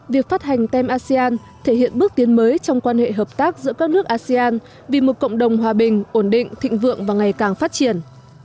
việc phát hành tem asean thể hiện bước tiến mới trong quan hệ hợp tác giữa các nước asean vì một cộng đồng hòa bình ổn định thịnh vượng và ngày càng phát triển